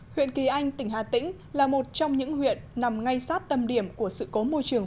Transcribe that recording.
huyện kỳ anh tỉnh hà tĩnh là một trong những huyện nằm ngay sát tâm điểm của sự cố môi trường